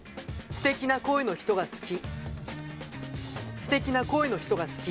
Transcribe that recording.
「すてきな声の人が好き」。